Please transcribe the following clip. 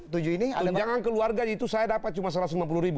tujuan keuangan itu saya dapat cuma rp satu ratus lima puluh